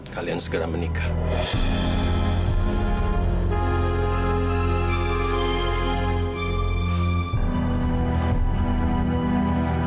kalian segera menikah